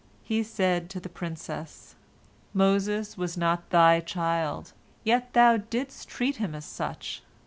He said to the princess: "Moses was not thy child, yet thou didst treat him as such.